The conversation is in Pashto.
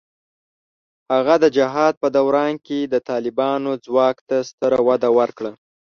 هغه د جهاد په دوران کې د طالبانو ځواک ته ستره وده ورکړه.